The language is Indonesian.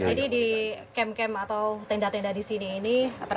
di camp kem atau tenda tenda di sini ini